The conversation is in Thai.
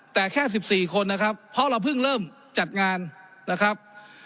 แต่แค่๑๔คนนะครับเพราะเราเพิ่งเริ่มจัดงานนะครับ